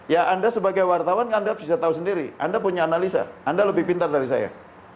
ya anda sebagai wartawan anda bisa tahu sendiri anda punya analisa anda lebih pintar dari saya